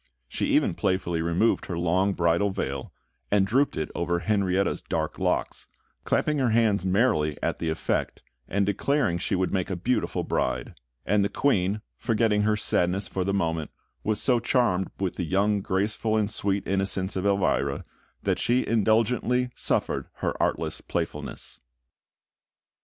She even playfully removed her long bridal veil, and drooped it over Henrietta's dark locks, clapping her hands merrily at the effect, and declaring she would make a beautiful bride; and the Queen, forgetting her sadness for the moment, was so charmed with the youthful grace and sweet innocence of Elvira, that she indulgently suffered her artless playfulness.